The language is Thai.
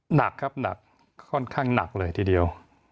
หนักครับหนักค่อนข้างหนักเลยทีเดียว